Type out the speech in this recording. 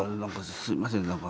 すいません何か。